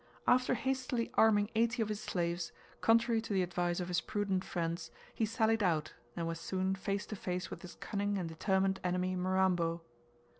After hastily arming eighty of his slaves, contrary to the advice of his prudent friends, he sallied out, and was soon face to face with his cunning and determined enemy Mirambo.